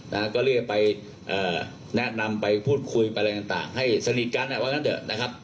นะฮะก็เรียกไปเอ่อแนะนำไปพูดคุยไปอะไรต่างต่างให้สนิทกันอ่ะว่างั้นเถอะนะครับ